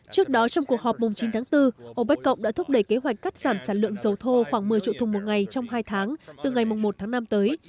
trước đó trong cuộc họp mùng chín tháng bốn opec cộng đã thúc đẩy kế hoạch cắt giảm sản lượng dầu thô khoảng một mươi triệu thùng một ngày trong hai tháng từ ngày một tháng năm tới